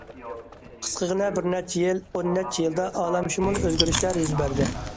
قىسقىغىنە بىر نەچچە يىل، ئون نەچچە يىلدا ئالەمشۇمۇل ئۆزگىرىشلەر يۈز بەردى.